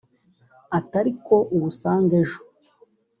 atari ko uwusanga ejo